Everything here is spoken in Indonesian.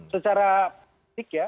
secara praktik ya